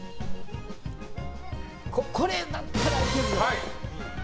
これだったらいける！